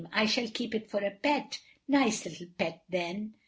I shall keep it for a pet. Nice little pet then!"